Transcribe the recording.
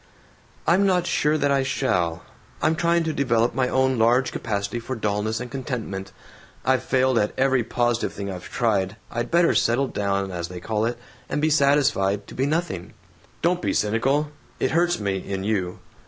"I'm not sure that I shall. I'm trying to develop my own large capacity for dullness and contentment. I've failed at every positive thing I've tried. I'd better 'settle down,' as they call it, and be satisfied to be nothing." "Don't be cynical. It hurts me, in you.